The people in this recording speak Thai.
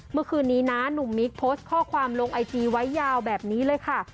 เมื่อคืนนี้นะหนุ่มมิคโพสต์ข้อความลงไอจีไว้ยาวแบบนี้เลยค่ะ